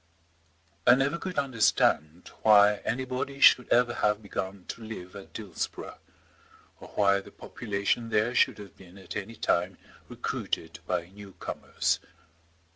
I never could understand why anybody should ever have begun to live at Dillsborough, or why the population there should have been at any time recruited by new comers.